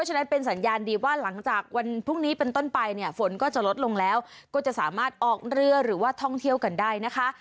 ฉะนั้นเป็นสัญญาณดีว่าหลังจากวันพรุ่งนี้เป็นต้นไปเนี่ยฝนก็จะลดลงแล้วก็จะสามารถออกเรือหรือว่าท่องเที่ยวกันได้นะคะ